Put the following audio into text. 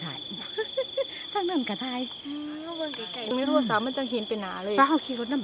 แมนอี๋งหรือยังถนุกเป็นดาว